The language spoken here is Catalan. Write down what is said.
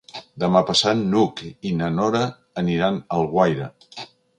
Demà passat n'Hug i na Nora aniran a Alguaire.